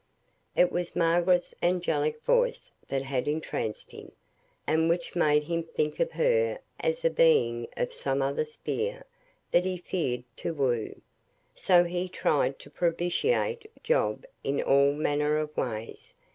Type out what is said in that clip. It was Margaret's angelic voice that had entranced him, and which made him think of her as a being of some other sphere, that he feared to woo. So he tried to propitiate Job in all manner of ways.